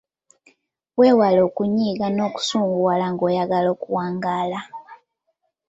Weewale okunyiiga n’okusunguwala ng’oyagala okuwangaala.